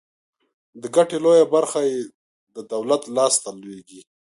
د ګټې لویه برخه یې د دولت لاس ته لویږي.